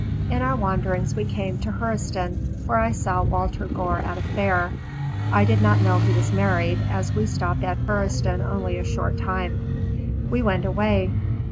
In our wanderings we came to Hurseton. There I saw Walter Gore at a fair. I did not know he was married, as we stopped at Hurseton only a short time. We went away.